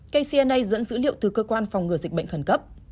kcna dẫn dữ liệu từ cơ quan phòng ngừa dịch bệnh khẩn cấp